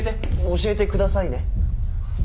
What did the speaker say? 教えてください。